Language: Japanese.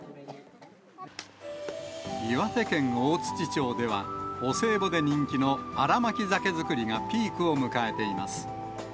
岩手県大槌町では、お歳暮で人気の新巻鮭作りがピークを迎えています。